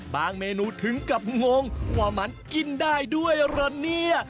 เมนูถึงกับงงว่ามันกินได้ด้วยเหรอเนี่ย